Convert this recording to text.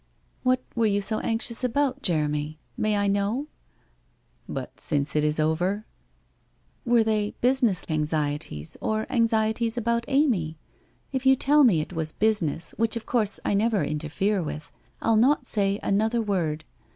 ' What were you so anxious about, Jeremy? May I not know ?'' But since it is over ?' 'Were they business anxieties or anxieties about Amy? If you tell me it was business, which of course I never interfere with, I'll not say another word.